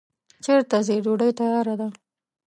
چیرته ځی ډوډی تیاره ده